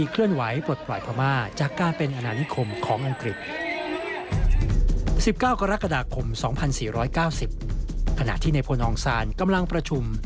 ขณะที่ในพลองซานกำลังประชุม